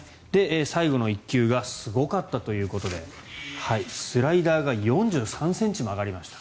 最後の１球がすごかったということでスライダーが４３ｃｍ曲がりました。